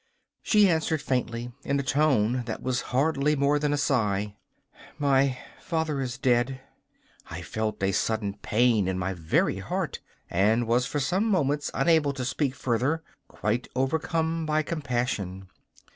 She answered faintly, in a tone that was hardly more than a sigh: 'My father is dead.' I felt a sudden pain in my very heart, and was for some moments unable to speak further, quite overcome by compassion.